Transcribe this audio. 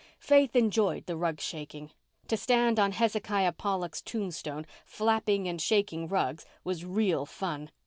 Faith enjoyed the rug shaking. To stand on Hezekiah Pollock's tombstone, flapping and shaking rugs, was real fun.